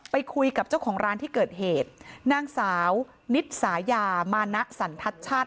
ไปคุยกับเจ้าของร้านที่เกิดเหตุนางสาวนิดสายามานะสันทัศน์ชาติ